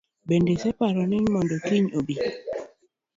Be iseparo ne ni mondo kiny obi?